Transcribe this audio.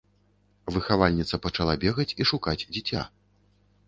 Выхавальніца пачала бегаць і шукаць дзіця.